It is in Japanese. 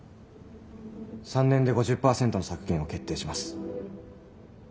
３年で５０％の削減を決定します。